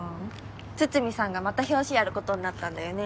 筒見さんがまた表紙やることになったんだよね。